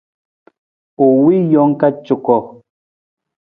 U wii jawang ka cuko.